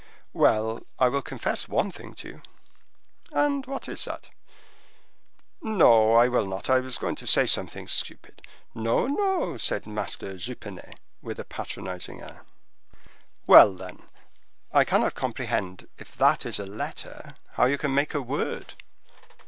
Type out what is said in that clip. "Well, I will confess one thing to you." "And what is that?" "No, I will not, I was going to say something stupid." "No, no," said Master Jupenet, with a patronizing air. "Well, then, I cannot comprehend, if that is a letter, how you can make a word."